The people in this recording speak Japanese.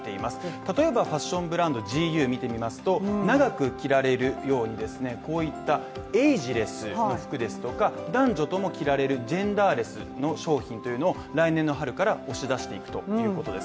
例えばファッションブランドＧＵを見てみますと長く着られるようにこういったエイジレス服ですとか、男女とも着られるジェンダーレスの商品というのを、来年の春から押し出していくということです。